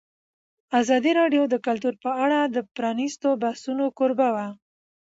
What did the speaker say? ازادي راډیو د کلتور په اړه د پرانیستو بحثونو کوربه وه.